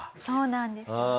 そうなんですよ。